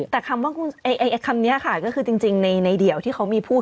แต่คำว่าคำนี้ค่ะก็คือจริงในเดี่ยวที่เขามีพูด